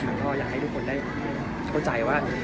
ก็อยากให้ทุกคนได้เข้าใจว่า